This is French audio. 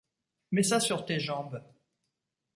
mets ça sur tes jambes.